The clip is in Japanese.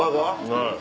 はい。